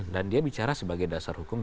dan dia bicara sebagai dasar hukum